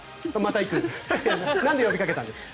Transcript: なんで呼びかけたんですか。